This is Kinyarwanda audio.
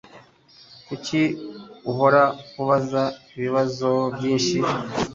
Kuki uhora ubaza ibibazo byinshi?